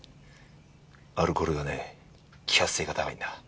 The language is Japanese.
アルコールはね揮発性が高いんだ。